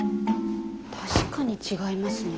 確かに違いますね。